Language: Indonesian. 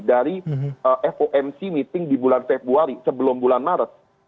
dari fomc meeting di bulan februari sebelum bulan maret